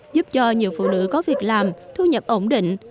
giúp cho nhiều phụ nữ có việc làm thu nhập ổn định